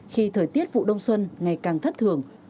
khi thời tiết vụ đông xuân ngày càng thất thường